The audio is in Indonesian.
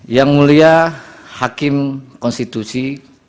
yang mulia hakim konstitusi